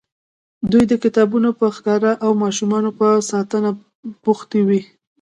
دوی د کبانو په ښکار او ماشومانو په ساتنه بوختې وې.